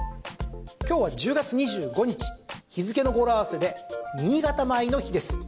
今日は１０月２５日日付の語呂合わせで新潟米の日です。